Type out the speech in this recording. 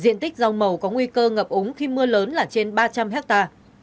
diện tích rau màu có nguy cơ ngập úng khi mưa lớn là trên ba trăm linh hectare